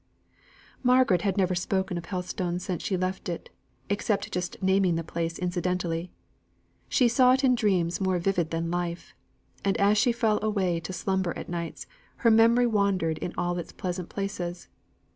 Margaret had never spoken of Helstone since she left it, except just naming the place incidentally. She saw it in dreams more vivid than life, and as she fell away to slumber at nights her memory wandered in all its pleasant places.